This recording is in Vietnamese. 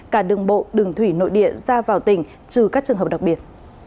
cả đường bộ đường thủy nội địa ra vào tỉnh trừ các trường hợp đặc biệt